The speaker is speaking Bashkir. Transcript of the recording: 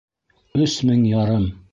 Өс мең ярым!